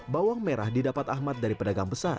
bawang merah didapat ahmad dari pedagang besar